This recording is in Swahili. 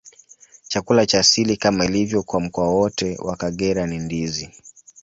Chakula cha asili, kama ilivyo kwa mkoa wote wa Kagera, ni ndizi.